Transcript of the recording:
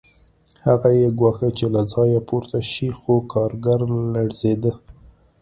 هغه یې ګواښه چې له ځایه پورته شي خو کارګر لړزېده